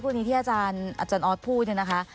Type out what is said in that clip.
เมื่อสักครู่นี้อาจารย์อดพูดนี่นะคะ